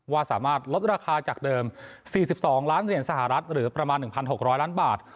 ว่าสามารถลดราคาจากเดิม๔๒ล้านเหรียญสหรัฐหรือประมาณ๑๖๐๐ล้านบาท